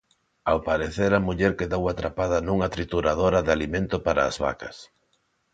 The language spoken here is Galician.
Ao parecer á muller quedou atrapada nunha trituradora de alimento para as vacas.